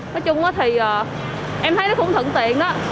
nói chung á thì em thấy nó cũng thuận lợi á